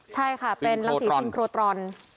ใช่ค่ะเป็นรังสีทิมโครตรอน